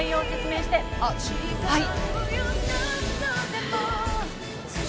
はい。